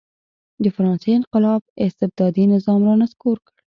د فرانسې انقلاب استبدادي نظام را نسکور کړ.